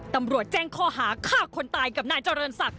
ตำรวจแจ้งข้อหาฆ่าคนตายกับนายเจริญศักดิ